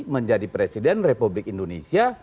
menjadi presiden republik indonesia